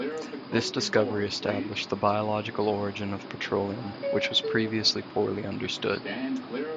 This discovery established the biological origin of petroleum, which was previously poorly understood.